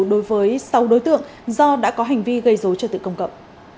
đối với sáu đối tượng do đã có hành vi gây dối trợ tự công cậu